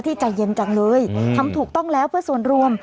ใจเย็นจังเลยทำถูกต้องแล้วเพื่อส่วนรวม